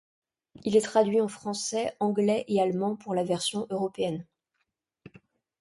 Il est traduit en Français, Anglais et Allemand pour la version Européenne.